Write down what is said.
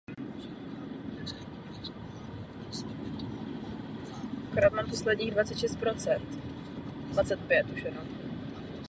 Světové konference byly původně známé jako Všeobecné konference.